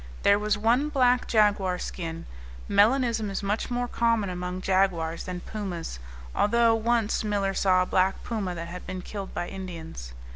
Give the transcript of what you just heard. There was one black jaguar skin; melanism is much more common among jaguars than pumas, although once Miller saw a black puma that had been killed by Indians.